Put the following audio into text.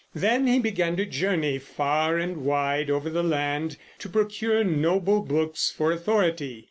Then he began to journey far and wide over the land to procure noble books for authority.